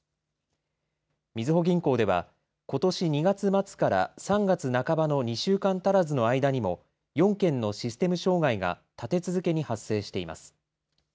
みずほ銀行ではことし２月末から３月半ばの２週間足らずの間にも４件のシステム障害が立て続けに発生しています。